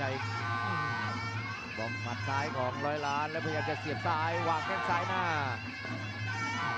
หวังมัดซ้ายของรอยล้านและพยายามจะเสียบซ้ายหวังแค่ซ้ายหน้า